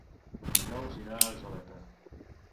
Dijous irà a Argeleta.